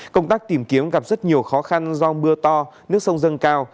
công tác tìm kiếm gặp rất nhiều khó khăn do mưa to nước sông dâng cao